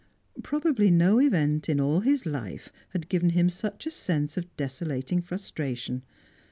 Probably no event in all his life had given him such a sense of desolating frustration.